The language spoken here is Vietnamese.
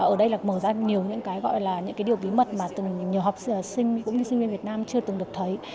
ở đây là mở ra nhiều những cái gọi là những cái điều bí mật mà nhiều học sinh học sinh cũng như sinh viên việt nam chưa từng được thấy